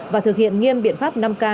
và thực hiện nghiêm biện pháp năm k